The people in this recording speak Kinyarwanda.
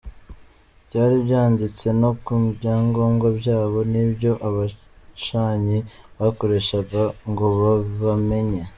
Byari byanditse no ku byangombwa byabo, nibyo abicanyi bakoreshaga ngo babamenye.